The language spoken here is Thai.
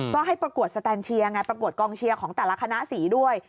ก็ให้ประกวดสแตนเชียร์ไงประกวดกองเชียร์ของแต่ละคณะสีด้วย